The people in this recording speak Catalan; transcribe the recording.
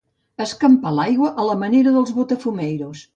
Escampà l'aigua a la manera dels botafumeiros.